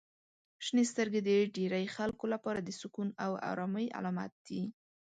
• شنې سترګې د ډیری خلکو لپاره د سکون او آرامۍ علامت دي.